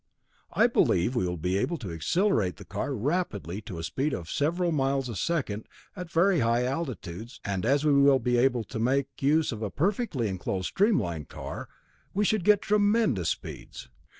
"I believe we will be able to accelerate the car rapidly to a speed of several miles a second at very high altitudes, and as we will be able to use a perfectly enclosed streamlined car, we should get tremendous speeds.